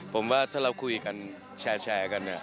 ผมว่าถ้าเราคุยกันแชร์กัน